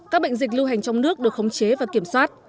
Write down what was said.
các bệnh dịch lưu hành trong nước được khống chế và kiểm soát